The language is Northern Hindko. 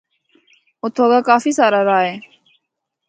اُتھو اگا کافی ساراہ راہ ہے۔